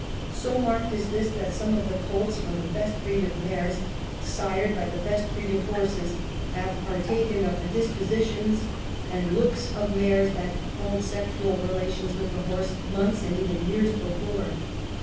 So marked is this that some of the colts from the best breed of mares, sired by the best breed of horses, have par taken of the dispositions and looks of mares that held sexual relations with the horse months and even years before.